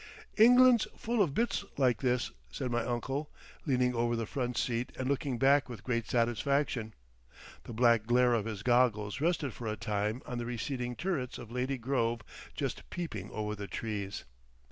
"England's full of Bits like this," said my uncle, leaning over the front seat and looking back with great satisfaction. The black glare of his goggles rested for a time on the receding turrets of Lady Grove just peeping over the trees.